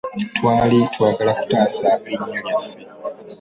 Twali twagala kutaasa linnya lyaffe.